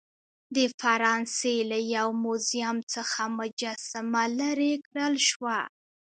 د فرانسې له یو موزیم څخه مجسمه لیرې کړل شوه.